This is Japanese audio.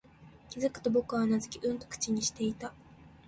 気づくと、僕はうなずき、うんと口にしていた